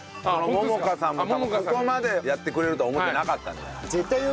ももかさんも多分ここまでやってくれるとは思ってなかったんじゃない？